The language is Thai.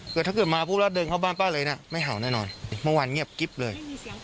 ถ้าเกิดมาพูดแล้วเดินเข้าบ้านป้าเลยนะไม่เห่าแน่นอนเมื่อวานเงียบกิ๊บเลย